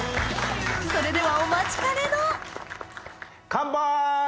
それではお待ちかねのカンパイ！